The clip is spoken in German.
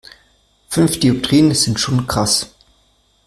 Fünf Dioptrien sind schon krass.